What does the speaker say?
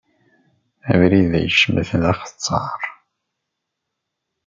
Abrid-a yecmet d axeṣṣar.